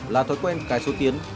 là thói quen cài số tiến